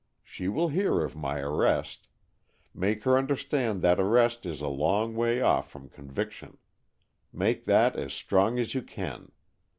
She will hear of my arrest. Make her understand that arrest is a long way off from conviction. Make that as strong as you can.